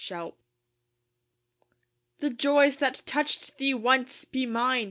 THE FAUN The joys that touched thee once, be mine!